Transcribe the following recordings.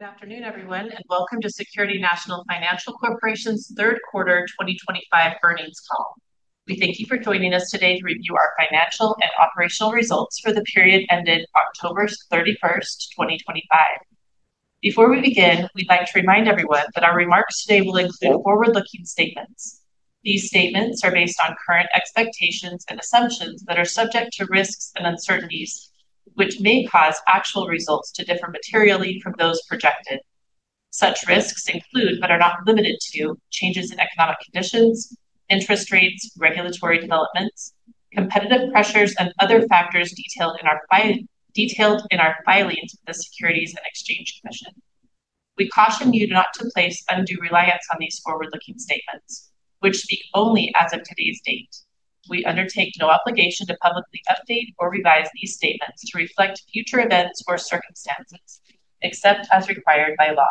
Good afternoon, everyone, and welcome to Security National Financial Corporation's Third Quarter 2025 earnings call. We thank you for joining us today to review our financial and operational results for the period ended October 31, 2025. Before we begin, we'd like to remind everyone that our remarks today will include forward-looking statements. These statements are based on current expectations and assumptions that are subject to risks and uncertainties, which may cause actual results to differ materially from those projected. Such risks include, but are not limited to, changes in economic conditions, interest rates, regulatory developments, competitive pressures, and other factors detailed in our filings with the Securities and Exchange Commission. We caution you not to place undue reliance on these forward-looking statements, which speak only as of today's date. We undertake no obligation to publicly update or revise these statements to reflect future events or circumstances, except as required by law.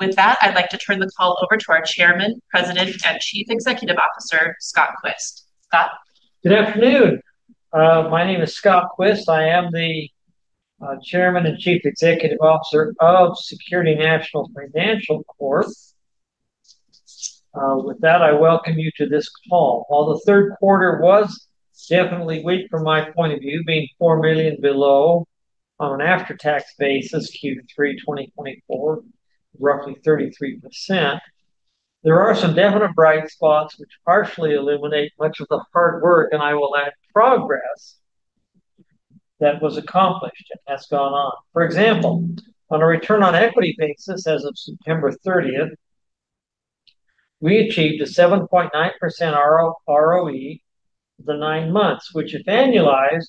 With that, I'd like to turn the call over to our Chairman, President, and Chief Executive Officer, Scott Quist. Scott? Good afternoon. My name is Scott Quist. I am the Chairman and Chief Executive Officer of Security National Financial Corporation. With that, I welcome you to this call. While the Third Quarter was definitely weak from my point of view, being $4 million below on an after-tax basis Q3 2024, roughly 33%, there are some definite bright spots which partially eliminate much of the hard work, and I will add, progress that was accomplished and has gone on. For example, on a return on equity basis as of September 30, we achieved a 7.9% ROE over nine months, which, if annualized,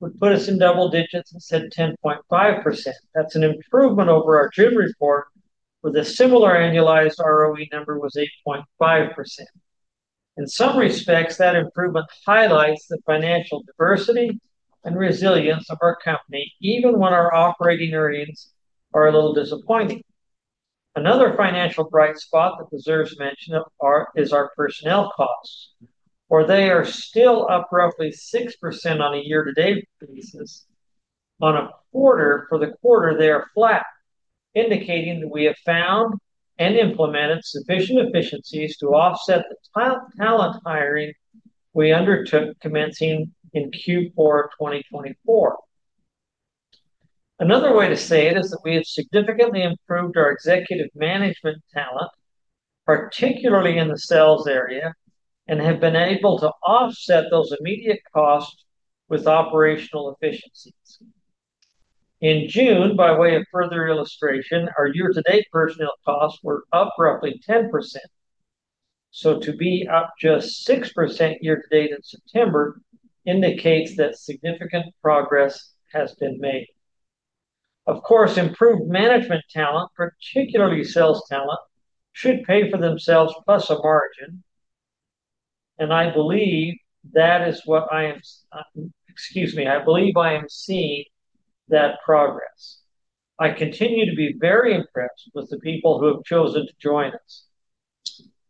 would put us in double digits and set 10.5%. That is an improvement over our June report, where the similar annualized ROE number was 8.5%. In some respects, that improvement highlights the financial diversity and resilience of our company, even when our operating earnings are a little disappointing. Another financial bright spot that deserves mention is our personnel costs, where they are still up roughly 6% on a year-to-date basis. On a Quarter-for-the-Quarter, they are flat, indicating that we have found and implemented sufficient efficiencies to offset the talent hiring we undertook commencing in Q4 2024. Another way to say it is that we have significantly improved our executive management talent, particularly in the sales area, and have been able to offset those immediate costs with operational efficiencies. In June, by way of further illustration, our year-to-date personnel costs were up roughly 10%. To be up just 6% year-to-date in September indicates that significant progress has been made. Of course, improved management talent, particularly sales talent, should pay for themselves plus a margin, and I believe that is what I am—excuse me—I believe I am seeing that progress. I continue to be very impressed with the people who have chosen to join us.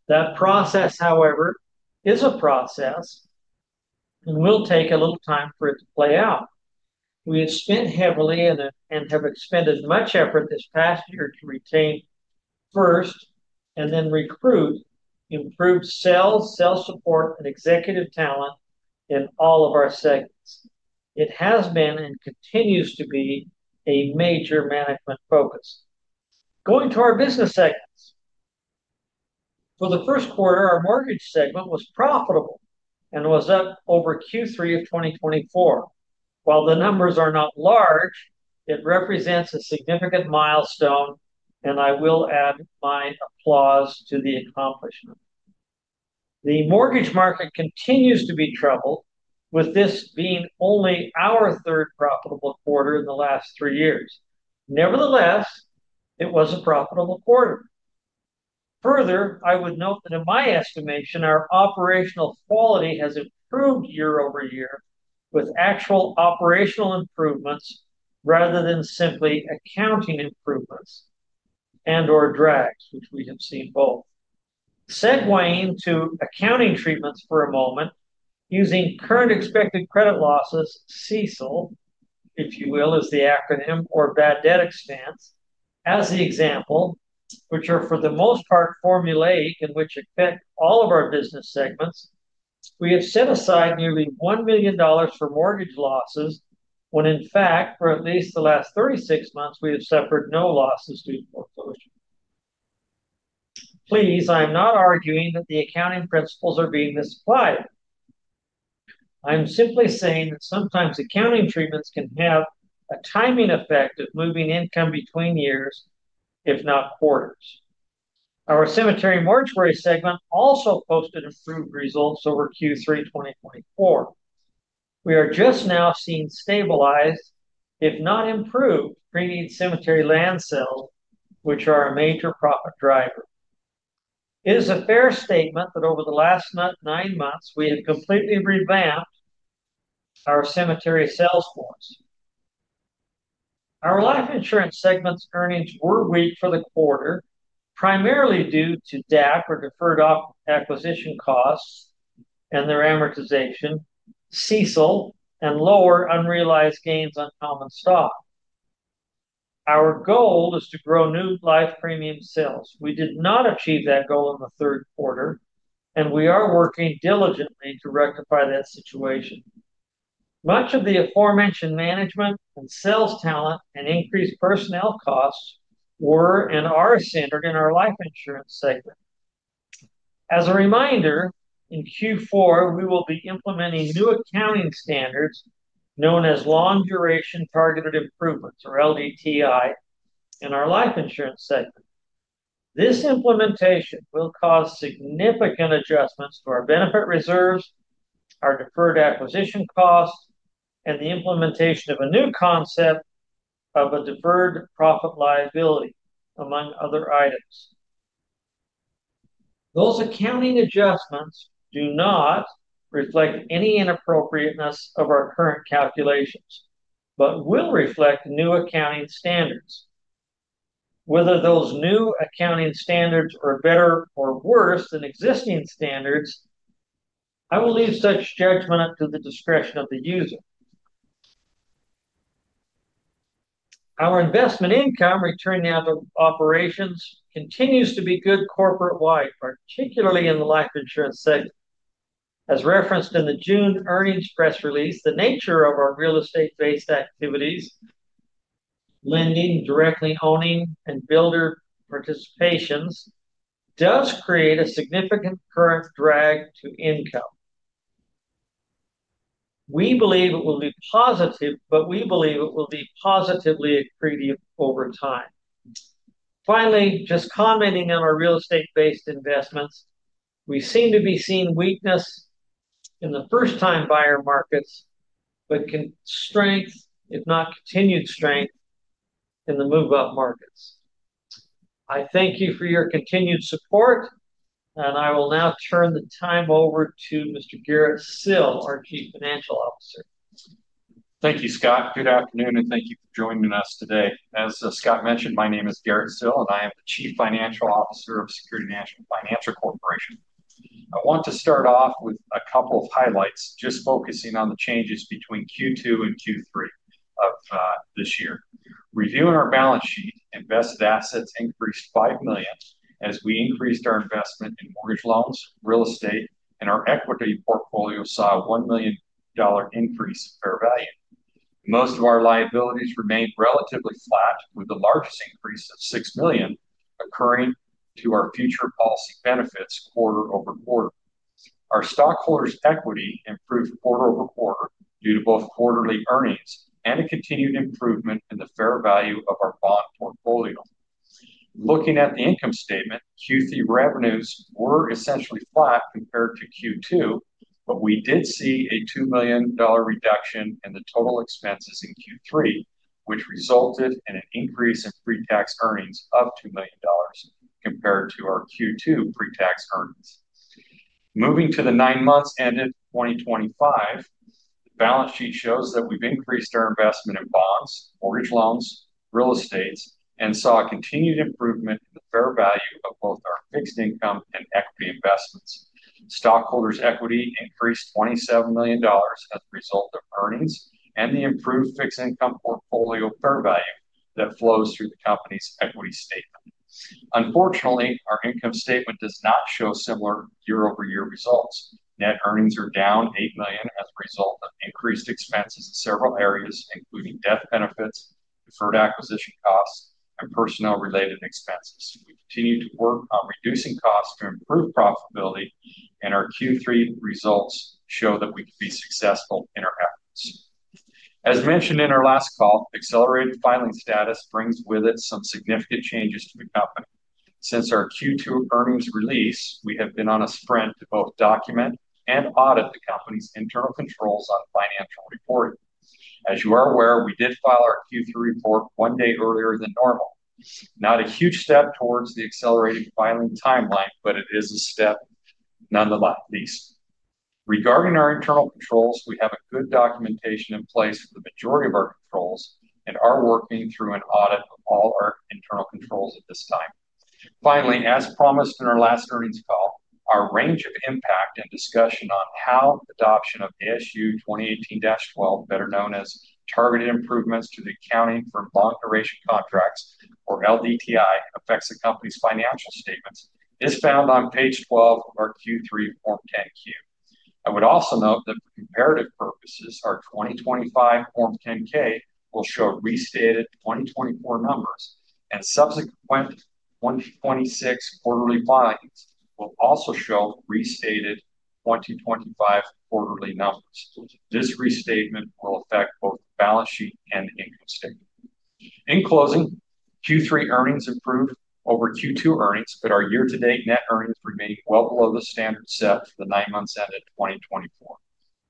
That process, however, is a process and will take a little time for it to play out. We have spent heavily and have expended much effort this past year to retain first and then recruit improved sales, sales support, and executive talent in all of our segments. It has been and continues to be a major management focus. Going to our business segments. For the First Quarter, our mortgage segment was profitable and was up over Q3 of 2024. While the numbers are not large, it represents a significant milestone, and I will add my applause to the accomplishment. The mortgage market continues to be troubled, with this being only our third profitable Quarter in the last three years. Nevertheless, it was a profitable Quarter. Further, I would note that in my estimation, our operational quality has improved year over year with actual operational improvements rather than simply accounting improvements and/or drags, which we have seen both. Segueing to accounting treatments for a moment, using current expected credit losses, CECL, if you will, is the acronym, or bad debt expense, as the example, which are for the most part formulaic in which effect all of our business segments, we have set aside nearly $1 million for mortgage losses when, in fact, for at least the last 36 months, we have suffered no losses due to foreclosure. Please, I am not arguing that the accounting principles are being misapplied. I am simply saying that sometimes accounting treatments can have a timing effect of moving income between years, if not Quarters. Our cemetery mortuary segment also posted improved results over Q3 2024. We are just now seeing stabilized, if not improved, pre-need cemetery land sales, which are a major profit driver. It is a fair statement that over the last nine months, we have completely revamped our cemetery sales force. Our life insurance segment's earnings were weak for the Quarter, primarily due to DAC, or deferred acquisition costs, and their amortization, CECL, and lower unrealized gains on common stock. Our goal is to grow new life premium sales. We did not achieve that goal in the Third Quarter, and we are working diligently to rectify that situation. Much of the aforementioned management and sales talent and increased personnel costs were and are centered in our life insurance segment. As a reminder, in Q4, we will be implementing new accounting standards known as long-duration targeted improvements, or LDTI, in our life insurance segment. This implementation will cause significant adjustments to our benefit reserves, our deferred acquisition costs, and the implementation of a new concept of a deferred profit liability, among other items. Those accounting adjustments do not reflect any inappropriateness of our current calculations but will reflect new accounting standards. Whether those new accounting standards are better or worse than existing standards, I will leave such judgment up to the discretion of the user. Our investment income returning out of operations continues to be good corporate-wide, particularly in the life insurance segment. As referenced in the June earnings press release, the nature of our real estate-based activities, lending, directly owning, and builder participations does create a significant current drag to income. We believe it will be positive, but we believe it will be positively accretive over time. Finally, just commenting on our real estate-based investments, we seem to be seeing weakness in the first-time buyer markets but strength, if not continued strength, in the move-up markets. I thank you for your continued support, and I will now turn the time over to Mr. Garrett Sill, our Chief Financial Officer. Thank you, Scott. Good afternoon, and thank you for joining us today. As Scott mentioned, my name is Garrett Sill, and I am the Chief Financial Officer of Security National Financial Corporation. I want to start off with a couple of highlights, just focusing on the changes between Q2 and Q3 of this year. Reviewing our balance sheet, invested assets increased $5 million as we increased our investment in mortgage loans, real estate, and our equity portfolio saw a $1 million increase in fair value. Most of our liabilities remained relatively flat, with the largest increase of $6 million occurring to our future policy benefits Quarter over Quarter. Our stockholders' equity improved Quarter over Quarter due to both Quarterly earnings and a continued improvement in the fair value of our bond portfolio. Looking at the income statement, Q3 revenues were essentially flat compared to Q2, but we did see a $2 million reduction in the total expenses in Q3, which resulted in an increase in pre-tax earnings of $2 million compared to our Q2 pre-tax earnings. Moving to the nine months ended 2025, the balance sheet shows that we've increased our investment in bonds, mortgage loans, real estate, and saw a continued improvement in the fair value of both our fixed income and equity investments. Stockholders' equity increased $27 million as a result of earnings and the improved fixed income portfolio fair value that flows through the company's equity statement. Unfortunately, our income statement does not show similar year-over-year results. Net earnings are down $8 million as a result of increased expenses in several areas, including death benefits, deferred acquisition costs, and personnel-related expenses. We continue to work on reducing costs to improve profitability, and our Q3 results show that we can be successful in our efforts. As mentioned in our last call, accelerated filing status brings with it some significant changes to the company. Since our Q2 earnings release, we have been on a sprint to both document and audit the company's internal controls on financial reporting. As you are aware, we did file our Q3 report one day earlier than normal. Not a huge step towards the accelerated filing timeline, but it is a step nonetheless. Regarding our internal controls, we have good documentation in place for the majority of our controls and are working through an audit of all our internal controls at this time. Finally, as promised in our last earnings call, our range of impact and discussion on how adoption of ASU 2018-12, better known as targeted improvements to the accounting for long-duration contracts, or LDTI, affects the company's financial statements is found on page 12 of our Q3 Form 10-Q. I would also note that for comparative purposes, our 2025 Form 10-K will show restated 2024 numbers, and subsequent 2026 Quarterly filings will also show restated 2025 Quarterly numbers. This restatement will affect both the balance sheet and the income statement. In closing, Q3 earnings improved over Q2 earnings, but our year-to-date net earnings remain well below the standard set for the nine months ended 2024.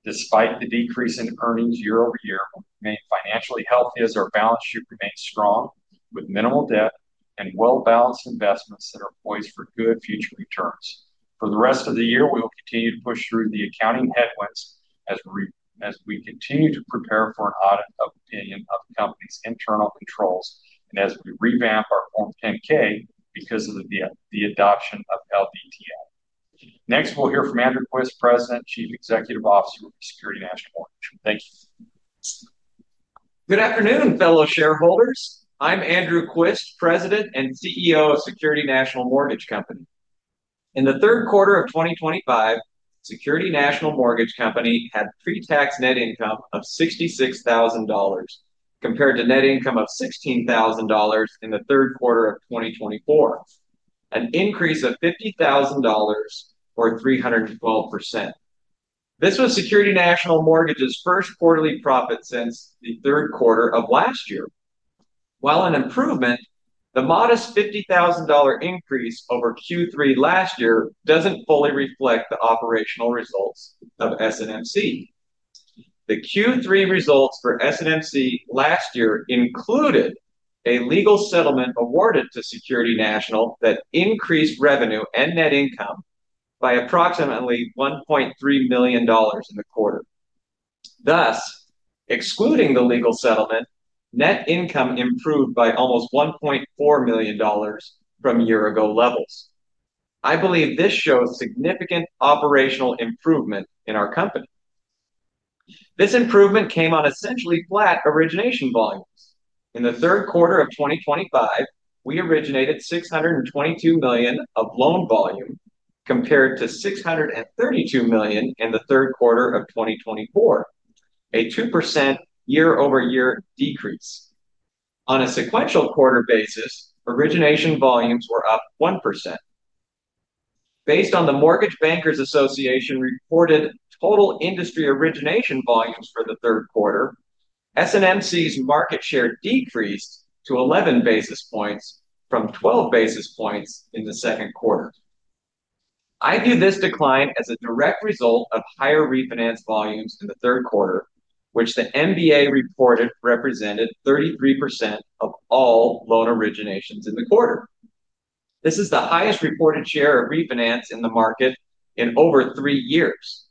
Despite the decrease in earnings year over year, we remain financially healthy as our balance sheet remains strong with minimal debt and well-balanced investments that are poised for good future returns. For the rest of the year, we will continue to push through the accounting headwinds as we continue to prepare for an audit opinion of the company's internal controls and as we revamp our Form 10-K because of the adoption of LDTI. Next, we'll hear from Andrew Quist, President, Chief Executive Officer of Security National Mortgage Company. Thank you. Good afternoon, fellow shareholders. I'm Andrew Quist, President and CEO of Security National Mortgage Company. In the Third Quarter of 2025, Security National Mortgage Company had pre-tax net income of $66,000 compared to net income of $16,000 in the Third Quarter of 2024, an increase of $50,000 or 312%. This was Security National Mortgage's First Quarterly profit since the Third Quarter of last year. While an improvement, the modest $50,000 increase over Q3 last year doesn't fully reflect the operational results of SNMC. The Q3 results for SNMC last year included a legal settlement awarded to Security National that increased revenue and net income by approximately $1.3 million in the Quarter. Thus, excluding the legal settlement, net income improved by almost $1.4 million from year-ago levels. I believe this shows significant operational improvement in our company. This improvement came on essentially flat origination volumes. In the Third Quarter of 2025, we originated $622 million of loan volume compared to $632 million in the Third Quarter of 2024, a 2% year-over-year decrease. On a sequential Quarter basis, origination volumes were up 1%. Based on the Mortgage Bankers Association reported total industry origination volumes for the Third Quarter, SNMC's market share decreased to 11 basis points from 12 basis points in the Second Quarter. I view this decline as a direct result of higher refinance volumes in the Third Quarter, which the MBA reported represented 33% of all loan originations in the Quarter. This is the highest reported share of refinance in the market in over three years.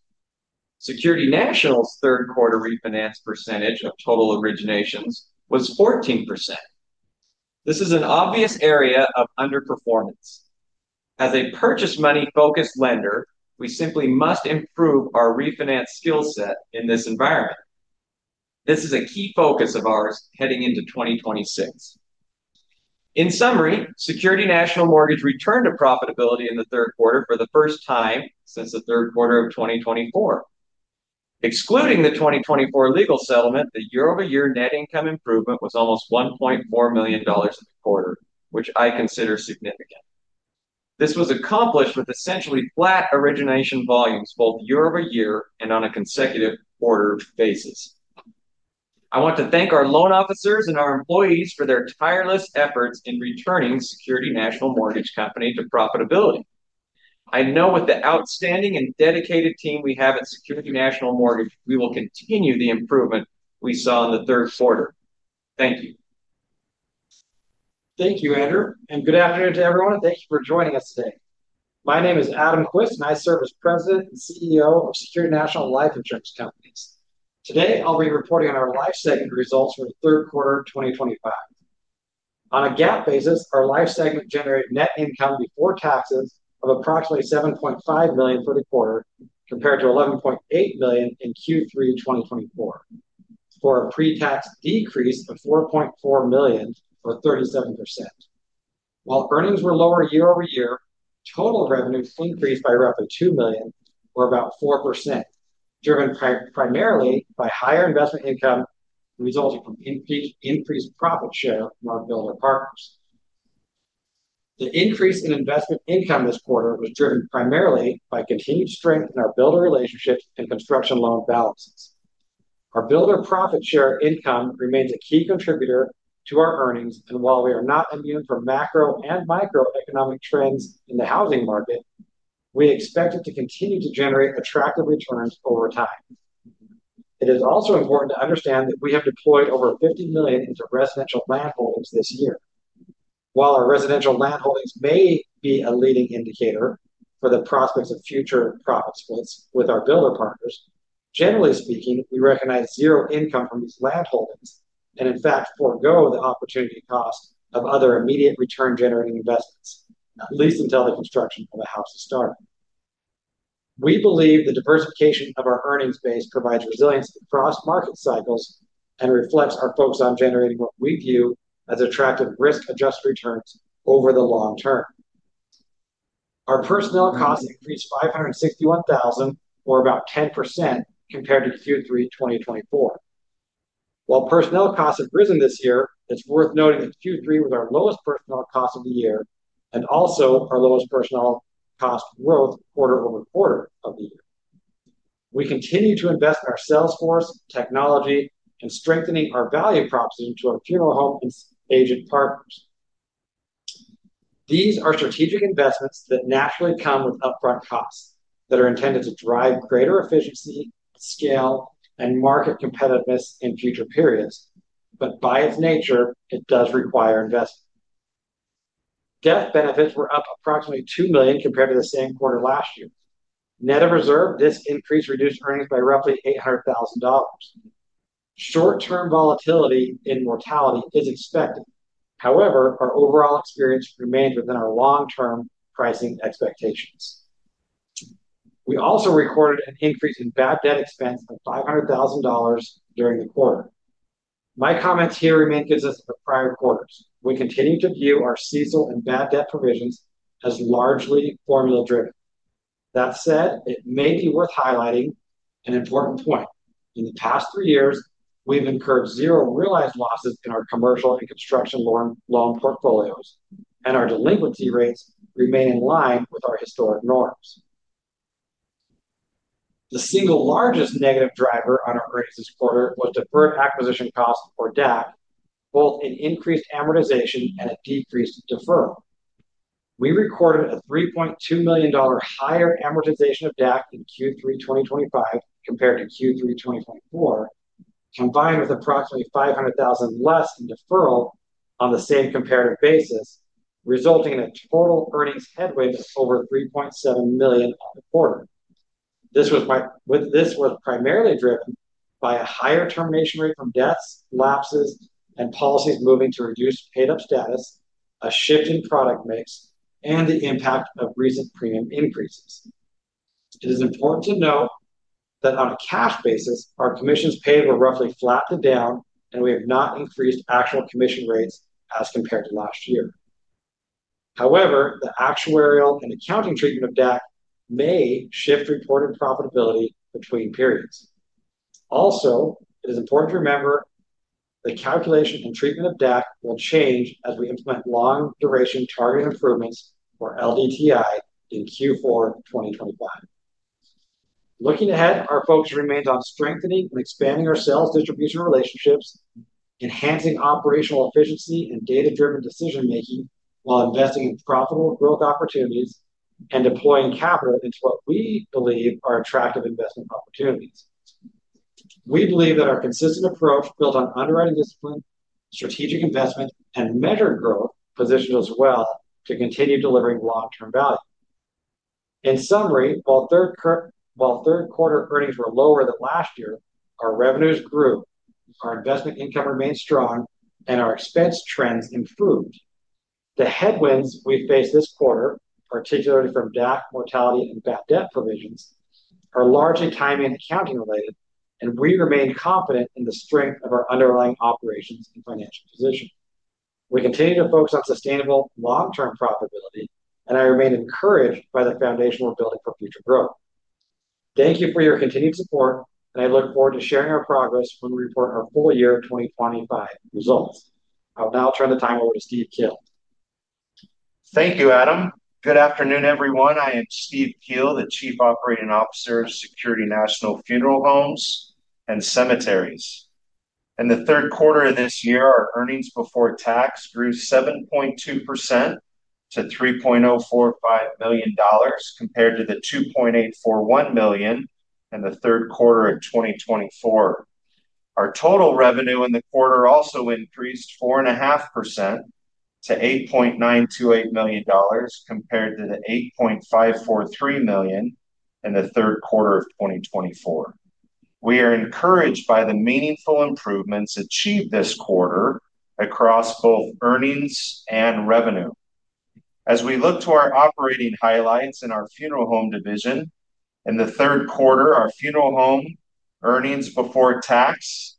Security National's Third Quarter refinance percentage of total originations was 14%. This is an obvious area of underperformance. As a purchase money-focused lender, we simply must improve our refinance skill set in this environment. This is a key focus of ours heading into 2026. In summary, Security National Mortgage Company returned to profitability in the Third Quarter for the first time since the Third Quarter of 2024. Excluding the 2024 legal settlement, the year-over-year net income improvement was almost $1.4 million in the Quarter, which I consider significant. This was accomplished with essentially flat origination volumes both year-over-year and on a consecutive Quarter basis. I want to thank our loan officers and our employees for their tireless efforts in returning Security National Mortgage Company to profitability. I know with the outstanding and dedicated team we have at Security National Mortgage Company, we will continue the improvement we saw in the Third Quarter. Thank you. Thank you, Andrew. Good afternoon to everyone. Thank you for joining us today. My name is Adam Quist, and I serve as President and CEO of Security National Life Insurance Companies. Today, I'll be reporting on our life segment results for the Third Quarter of 2025. On a GAAP basis, our life segment generated net income before taxes of approximately $7.5 million for the Quarter compared to $11.8 million in Q3 2024, for a pre-tax decrease of $4.4 million or 37%. While earnings were lower year-over-year, total revenues increased by roughly $2 million, or about 4%, driven primarily by higher investment income resulting from increased profit share from our builder partners. The increase in investment income this Quarter was driven primarily by continued strength in our builder relationships and construction loan balances. Our builder profit share income remains a key contributor to our earnings, and while we are not immune from macro and microeconomic trends in the housing market, we expect it to continue to generate attractive returns over time. It is also important to understand that we have deployed over $50 million into residential land holdings this year. While our residential land holdings may be a leading indicator for the prospects of future profit splits with our builder partners, generally speaking, we recognize zero income from these land holdings and, in fact, forego the opportunity cost of other immediate return-generating investments, at least until the construction of a house is started. We believe the diversification of our earnings base provides resilience across market cycles and reflects our focus on generating what we view as attractive risk-adjusted returns over the long term. Our personnel costs increased $561,000, or about 10%, compared to Q3 2024. While personnel costs have risen this year, it's worth noting that Q3 was our lowest personnel cost of the year and also our lowest personnel cost growth Quarter over Quarter of the year. We continue to invest in our sales force, technology, and strengthening our value proposition to our funeral home and agent partners. These are strategic investments that naturally come with upfront costs that are intended to drive greater efficiency, scale, and market competitiveness in future periods, but by its nature, it does require investment. Death benefits were up approximately $2 million compared to the same Quarter last year. Net of reserve, this increase reduced earnings by roughly $800,000. Short-term volatility in mortality is expected. However, our overall experience remains within our long-term pricing expectations. We also recorded an increase in bad debt expense of $500,000 during the Quarter. My comments here remain consistent with prior Quarters. We continue to view our CECL and bad debt provisions as largely formula-driven. That said, it may be worth highlighting an important point. In the past three years, we've incurred zero realized losses in our commercial and construction loan portfolios, and our delinquency rates remain in line with our historic norms. The single largest negative driver on our earnings this Quarter was deferred acquisition costs, or DAC, both in increased amortization and a decreased deferral. We recorded a $3.2 million higher amortization of DAC in Q3 2025 compared to Q3 2024, combined with approximately $500,000 less in deferral on the same comparative basis, resulting in a total earnings headwind of over $3.7 million on the Quarter. This was primarily driven by a higher termination rate from deaths, lapses, and policies moving to reduced paid-up status, a shift in product mix, and the impact of recent premium increases. It is important to note that on a cash basis, our commissions paid were roughly flat to down, and we have not increased actual commission rates as compared to last year. However, the actuarial and accounting treatment of DAC may shift reported profitability between periods. Also, it is important to remember the calculation and treatment of DAC will change as we implement long-duration targeted improvements for LDTI in Q4 2025. Looking ahead, our focus remains on strengthening and expanding our sales distribution relationships, enhancing operational efficiency and data-driven decision-making while investing in profitable growth opportunities and deploying capital into what we believe are attractive investment opportunities. We believe that our consistent approach built on underwriting discipline, strategic investment, and measured growth positions us well to continue delivering long-term value. In summary, while third-Quarter earnings were lower than last year, our revenues grew, our investment income remained strong, and our expense trends improved. The headwinds we faced this Quarter, particularly from DAC, mortality, and bad debt provisions, are largely timing and accounting related, and we remain confident in the strength of our underlying operations and financial position. We continue to focus on sustainable long-term profitability, and I remain encouraged by the foundation we're building for future growth. Thank you for your continued support, and I look forward to sharing our progress when we report our full year 2025 results. I'll now turn the time over to Steve Kiel. Thank you, Adam. Good afternoon, everyone. I am Steve Kiel, the Chief Operating Officer of Security National Funeral Homes and Cemeteries. In the Third Quarter of this year, our earnings before tax grew 7.2% to $3.045 million compared to the $2.841 million in the Third Quarter of 2024. Our total revenue in the Quarter also increased 4.5% to $8.928 million compared to the $8.543 million in the Third Quarter of 2024. We are encouraged by the meaningful improvements achieved this Quarter across both earnings and revenue. As we look to our operating highlights in our funeral home division, in the Third Quarter, our funeral home earnings before tax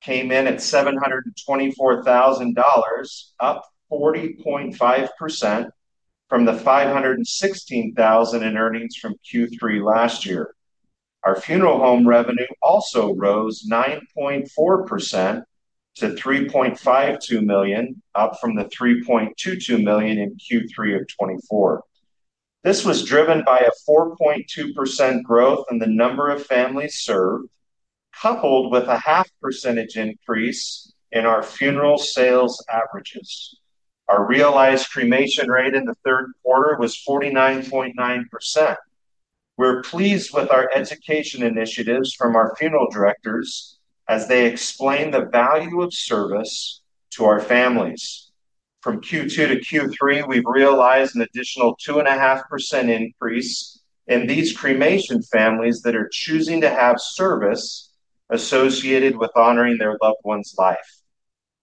came in at $724,000, up 40.5% from the $516,000 in earnings from Q3 last year. Our funeral home revenue also rose 9.4% to $3.52 million, up from the $3.22 million in Q3 of 2024. This was driven by a 4.2% growth in the number of families served, coupled with a half-percentage increase in our funeral sales averages. Our realized cremation rate in the Third Quarter was 49.9%. We're pleased with our education initiatives from our funeral directors as they explain the value of service to our families. From Q2 to Q3, we've realized an additional 2.5% increase in these cremation families that are choosing to have service associated with honoring their loved one's life.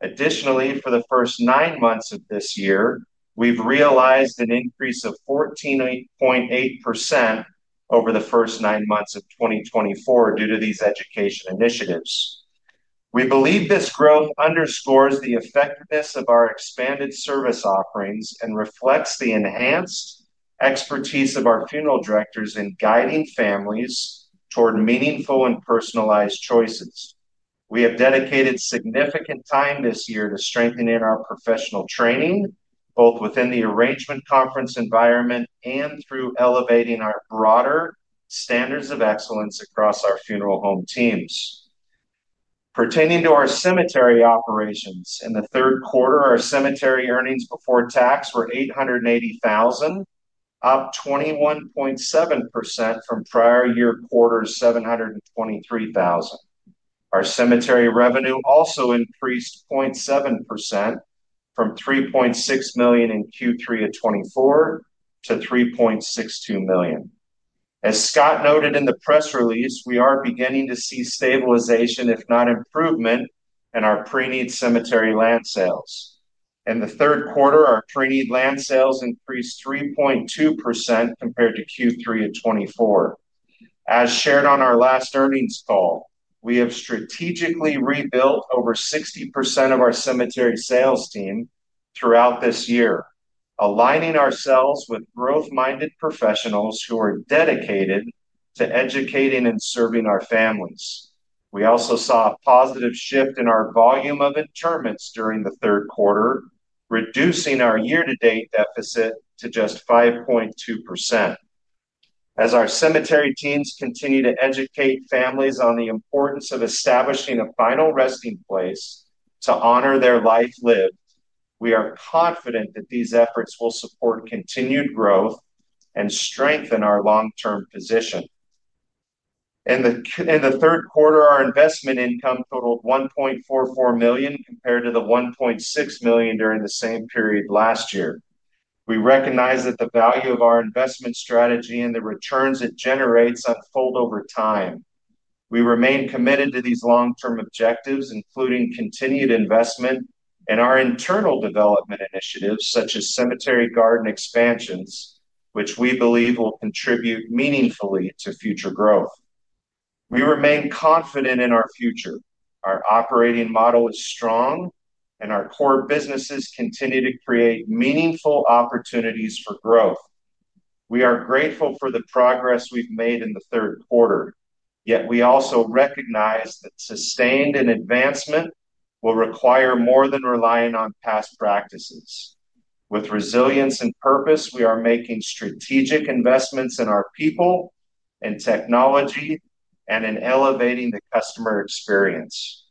Additionally, for the first nine months of this year, we've realized an increase of 14.8% over the first nine months of 2023 due to these education initiatives. We believe this growth underscores the effectiveness of our expanded service offerings and reflects the enhanced expertise of our funeral directors in guiding families toward meaningful and personalized choices. We have dedicated significant time this year to strengthening our professional training, both within the arrangement conference environment and through elevating our broader standards of excellence across our funeral home teams. Pertaining to our cemetery operations, in the Third Quarter, our cemetery earnings before tax were $880,000, up 21.7% from prior year Quarter's $723,000. Our cemetery revenue also increased 0.7% from $3.6 million in Q3 of 2024 to $3.62 million. As Scott noted in the press release, we are beginning to see stabilization, if not improvement, in our preneed cemetery land sales. In the Third Quarter, our preneed land sales increased 3.2% compared to Q3 of 2024. As shared on our last earnings call, we have strategically rebuilt over 60% of our cemetery sales team throughout this year, aligning ourselves with growth-minded professionals who are dedicated to educating and serving our families. We also saw a positive shift in our volume of interments during the Third Quarter, reducing our year-to-date deficit to just 5.2%. As our cemetery teams continue to educate families on the importance of establishing a final resting place to honor their life lived, we are confident that these efforts will support continued growth and strengthen our long-term position. In the Third Quarter, our investment income totaled $1.44 million compared to the $1.6 million during the same period last year. We recognize that the value of our investment strategy and the returns it generates unfold over time. We remain committed to these long-term objectives, including continued investment in our internal development initiatives, such as cemetery garden expansions, which we believe will contribute meaningfully to future growth. We remain confident in our future. Our operating model is strong, and our core businesses continue to create meaningful opportunities for growth. We are grateful for the progress we've made in the Third Quarter, yet we also recognize that sustained advancement will require more than relying on past practices. With resilience and purpose, we are making strategic investments in our people and technology and in elevating the customer experience.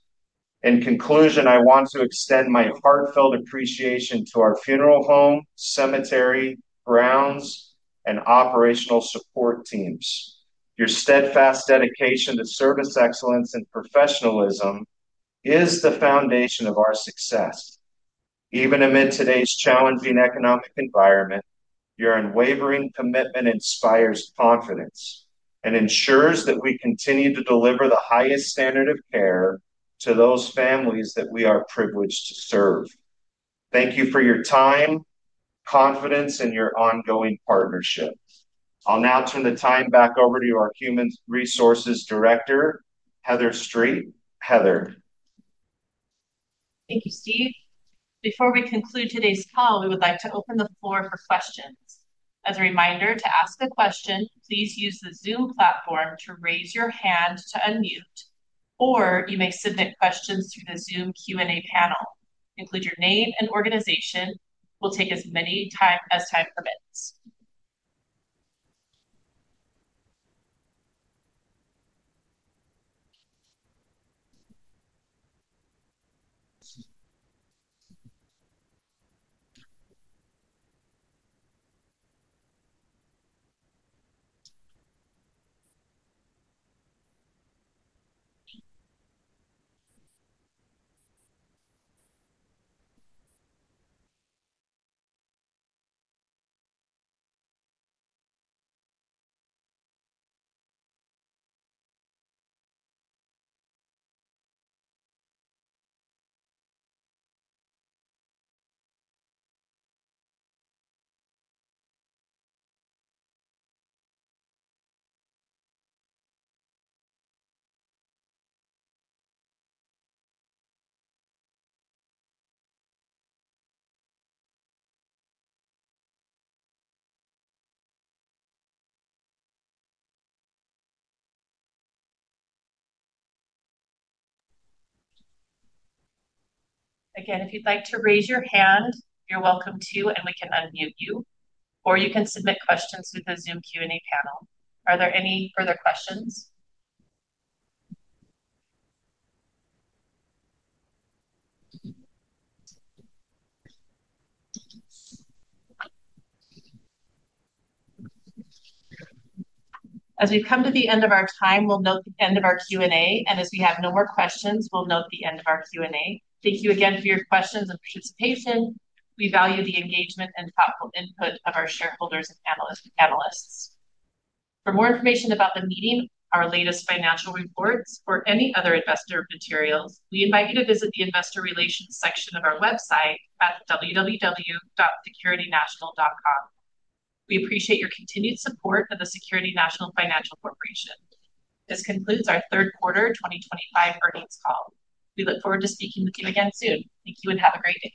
In conclusion, I want to extend my heartfelt appreciation to our funeral home, cemetery, grounds, and operational support teams. Your steadfast dedication to service excellence and professionalism is the foundation of our success. Even amid today's challenging economic environment, your unwavering commitment inspires confidence and ensures that we continue to deliver the highest standard of care to those families that we are privileged to serve. Thank you for your time, confidence, and your ongoing partnership. I'll now turn the time back over to our Human Resources Director, Heather Street. Heather. Thank you, Steve. Before we conclude today's call, we would like to open the floor for questions. As a reminder, to ask a question, please use the Zoom platform to raise your hand to unmute, or you may submit questions through the Zoom Q&A panel. Include your name and organization. We'll take as much time as time permits. Again, if you'd like to raise your hand, you're welcome to, and we can unmute you, or you can submit questions through the Zoom Q&A panel. Are there any further questions? As we come to the end of our time, we'll note the end of our Q&A, and as we have no more questions, we'll note the end of our Q&A. Thank you again for your questions and participation. We value the engagement and thoughtful input of our shareholders and analysts. For more information about the meeting, our latest financial reports, or any other investor materials, we invite you to visit the investor relations section of our website at www.securitynational.com. We appreciate your continued support of the Security National Financial Corporation. This concludes our Third Quarter 2025 earnings call. We look forward to speaking with you again soon. Thank you and have a great day.